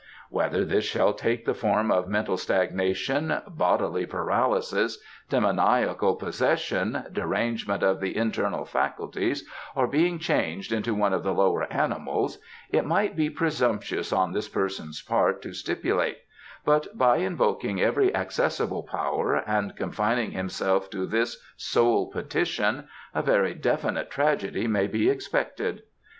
Whether this shall take the form of mental stagnation, bodily paralysis, demoniacal possession, derangement of the internal faculties, or being changed into one of the lower animals, it might be presumptuous on this person's part to stipulate, but by invoking every accessible power and confining himself to this sole petition a very definite tragedy may be expected.